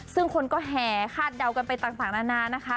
ซึ่งคนก็แห่คาดเดากันไปต่างนานานะคะ